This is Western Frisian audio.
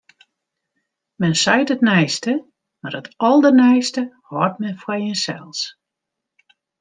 Men seit it neiste, mar it alderneiste hâldt men foar jinsels.